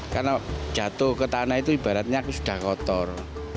karena jatuh ke tanah itu ibaratnya sudah kotor